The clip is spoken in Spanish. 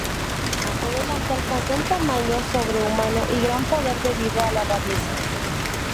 Más adelante alcanzó un tamaño sobrehumano y gran poder debido a la radiación.